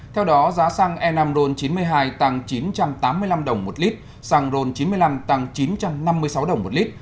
theo đó giá xăng e năm ron chín mươi hai tăng chín trăm tám mươi năm đồng một lít xăng ron chín mươi năm tăng chín trăm năm mươi sáu đồng một lít